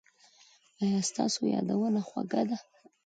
ایا ستاسو یادونه خوږه ده؟